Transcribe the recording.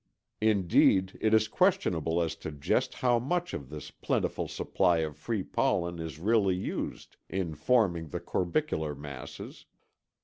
Indeed it is questionable as to just how much of this plentiful supply of free pollen is really used in forming the corbicular masses.